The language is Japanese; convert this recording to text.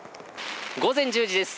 午前１０時です。